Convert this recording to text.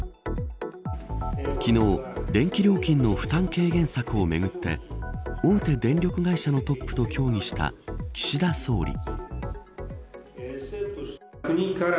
昨日、電気料金の負担軽減策をめぐって大手電力会社のトップと協議した岸田総理。